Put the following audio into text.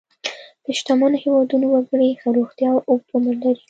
د شتمنو هېوادونو وګړي ښه روغتیا او اوږد عمر لري.